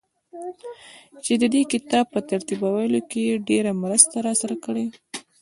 چي ددې کتاب په ترتيبولو کې يې ډېره مرسته راسره کړې ده.